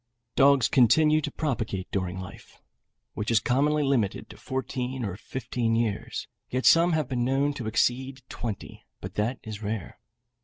Dogs continue to propagate during life, which is commonly limited to fourteen or fifteen years, yet some have been known to exceed twenty, but that is rare.